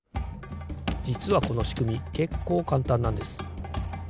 じつはこのしくみけっこうかんたんなんです。